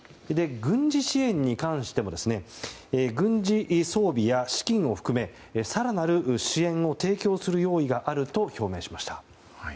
軍事支援に関しても軍事装備や資金を含め、更なる支援も提供する用意があると表明しました。